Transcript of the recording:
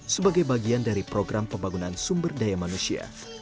sebagai bagian dari program pembangunan sumber daya manusia